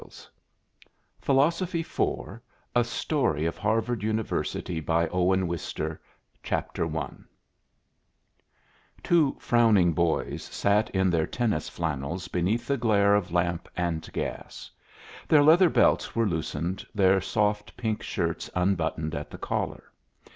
B. Smith PHILOSOPHY 4 A STORY OF HARVARD UNIVERSITY By Owen Wister I Two frowning boys sat in their tennis flannels beneath the glare of lamp and gas. Their leather belts were loosened, their soft pink shirts unbuttoned at the collar.